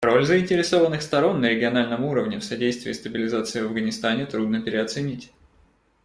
Роль заинтересованных сторон на региональном уровне в содействии стабилизации в Афганистане трудно переоценить.